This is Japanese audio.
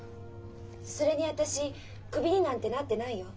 それに私クビになんてなってないよ。